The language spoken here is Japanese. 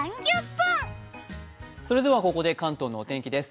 それではここで関東のお天気です。